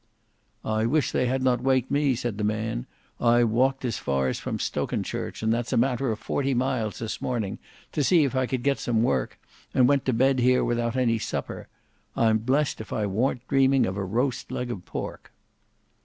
"I wish they had not waked me," said the man, "I walked as far as from Stokenchurch, and that's a matter of forty miles, this morning to see if I could get some work, and went to bed here without any supper. I'm blessed if I worn't dreaming of a roast leg of pork."